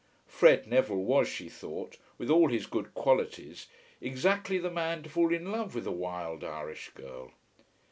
Fred Neville was, she thought, with all his good qualities, exactly the man to fall in love with a wild Irish girl.